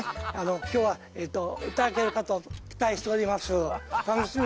今日はえといただけるかと期待しております